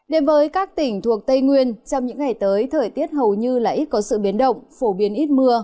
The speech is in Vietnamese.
đến với các tỉnh thuộc tây nguyên trong những ngày tới thời tiết hầu như ít có sự biến động phổ biến ít mưa